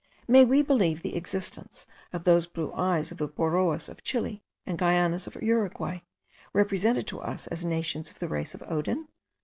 May we believe the existence of those blue eyes of the Boroas of Chile and Guayanas of Uruguay; represented to us as nations of the race of Odin?